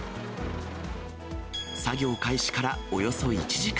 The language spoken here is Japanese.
作業開始からおよそ１時間。